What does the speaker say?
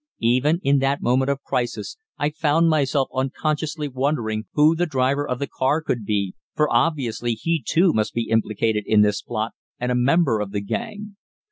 Even in that moment of crisis I found myself unconsciously wondering who the driver of the car could be, for obviously he too must be implicated in this plot, and a member of the gang.